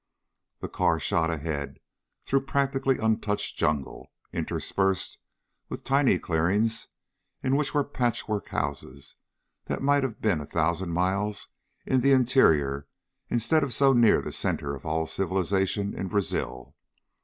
The car shot ahead through practically untouched jungle, interspersed with tiny clearings in which were patchwork houses that might have been a thousand miles in the interior instead of so near the center of all civilization in Brazil.